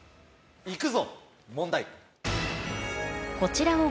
行くぞ問題。